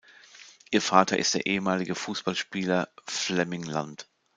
Ihr Vater ist der ehemalige Fußballspieler Flemming Lund.